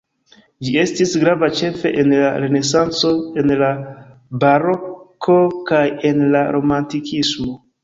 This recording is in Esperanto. Ĝi estis grava ĉefe en la renesanco en la baroko kaj en la romantikismo.